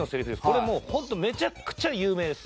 これもうホントめちゃくちゃ有名です。